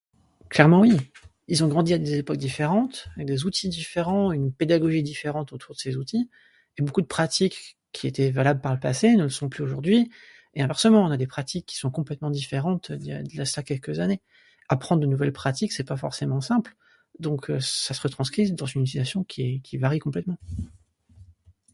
pratiques différentes